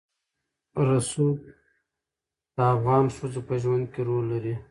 رسوب د افغان ښځو په ژوند کې رول لري.